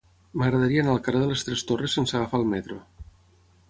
M'agradaria anar al carrer de les Tres Torres sense agafar el metro.